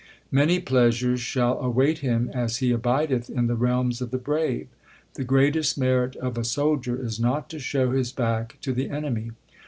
Many pleasures shall await him as he abideth in the realms of the brave. The greatest merit of a soldier is not to show his back to the enemy.